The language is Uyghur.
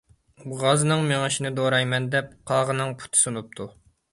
غازنىڭ مېڭىشىنى دورايمەن دەپ قاغىنىڭ پۇتى سۇنۇپتۇ.